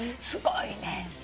すごいね。